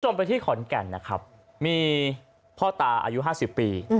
จนไปที่ขอนแก่นนะครับมีพ่อตาอายุห้าสิบปี